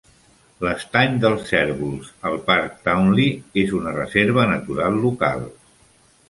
L'estany dels cérvols al Parc Towneley és una reserva natural local.